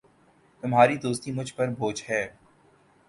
تمہاری دوستی مجھ پر بوجھ ہے